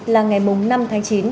là ngày mùng năm tháng chín